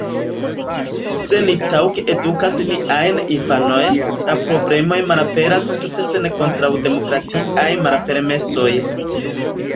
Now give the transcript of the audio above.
Se ni taŭge edukas niajn infanojn, la problemoj malaperas tute sen kontraŭdemokratiaj malpermesoj.